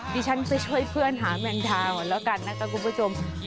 ดิฉันไปช่วยเพื่อนหาแม่งดาวน์แล้วกันนะครับกุปจม